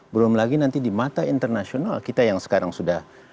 belum lagi nanti di mata internasional kita yang sekarang sudah